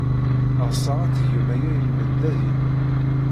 Ɣseɣ ad tgem aya i lmendad-inu.